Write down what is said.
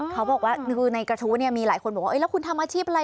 เค้าบอกว่าในกระทู้มีหลายคนว่าแล้วคุณทำอาชีพอะไร